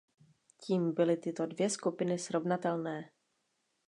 Tím byly tyto dvě skupiny srovnatelné.